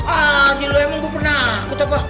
aji lu emang gue pernah akut apa